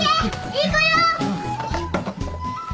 行くよ。